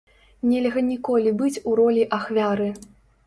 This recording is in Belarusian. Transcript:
Нельга ніколі быць у ролі ахвяры.